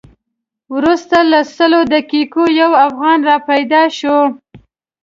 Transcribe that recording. وروسته له لسو دقیقو یو افغان را پیدا شو.